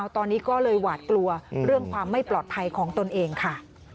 ตอนนี้ก็เลยหวาดกลัวเรื่องความไม่ปลอดภัยของตนเองค่ะ